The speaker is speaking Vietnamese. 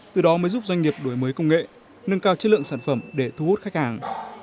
từ đó mới giúp doanh nghiệp đổi mới công nghệ nâng cao chất lượng sản phẩm để thu hút khách hàng